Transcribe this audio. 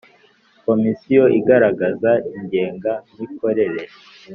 Komisiyo igaragaza ingenga mikorere.